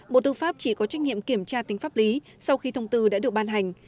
bộ tư pháp chỉ có trách nhiệm kiểm tra tính pháp lý sau khi thông tư đã được ban hành